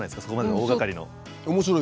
そこまでの大がかりの。